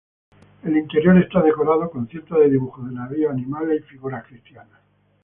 El interior está decorado con cientos de dibujos de navíos, animales y figuras cristianas.